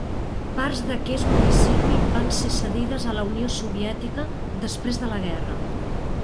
Parts d'aquest municipi van ser cedides a la Unió Soviètica després de la guerra.